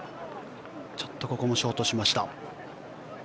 ちょっとここもショートしました。